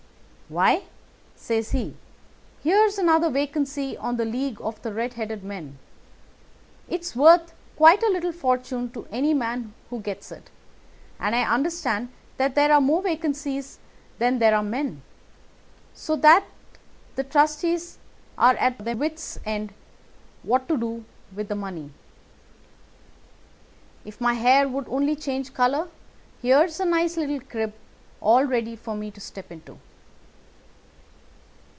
"'Why,' says he, 'here's another vacancy on the League of the Red headed Men. It's worth quite a little fortune to any man who gets it, and I understand that there are more vacancies than there are men, so that the trustees are at their wits' end what to do with the money. If my hair would only change colour, here's a nice little crib all ready for me to step into.